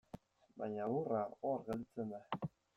Baina lurra, hor gelditzen da.